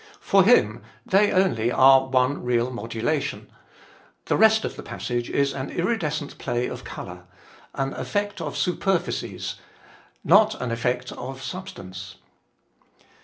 For him they only are one real modulation, "the rest of the passage is an iridescent play of color, an effect of superficies, not an effect of substance."